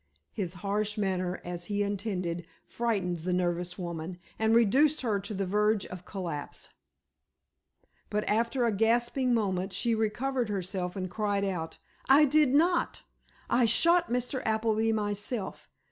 His harsh manner, as he intended, frightened the nervous woman, and reduced her to the verge of collapse. But after a gasping moment, she recovered herself, and cried out: "I did not! I shot Mr. Appleby myself.